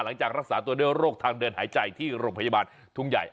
หลังจากรักษาตัวด้วยโรคทางเดินหายใจที่โรงพยาบาลทุ่งใหญ่